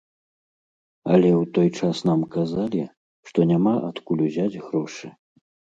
Але ў той час нам казалі, што няма адкуль узяць грошы.